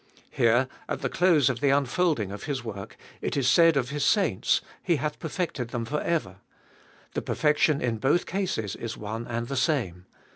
Here at the close of the unfolding of His work, it is said of His saints : He hath perfected them for ever. The perfection in both cases is one and the same.